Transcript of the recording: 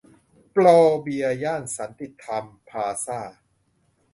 โปรเบียร์ ย่านสันติธรรมพลาซ่า